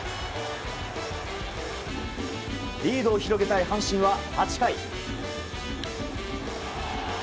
リードを広げたい阪神は８回。